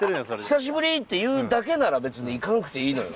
「久しぶり」って言うだけなら別に行かなくていいのよ。